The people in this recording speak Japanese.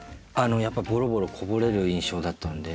やっぱボロボロこぼれる印象だったんで。